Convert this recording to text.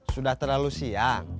sudah terlalu siang